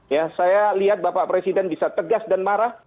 ya saya lihat bapak presiden bisa tegas dan marah